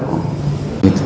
từ đầu năm hai nghìn